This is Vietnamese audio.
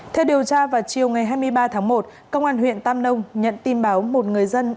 theo điều tra vào chiều ngày hai mươi ba tháng một công an huyện tam nông nhận tin báo một người dân